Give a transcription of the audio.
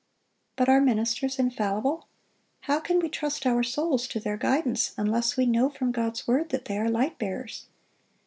But are ministers infallible? How can we trust our souls to their guidance unless we know from God's word that they are light bearers?